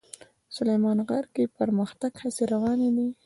سلیمان غر کې د پرمختګ هڅې روانې دي.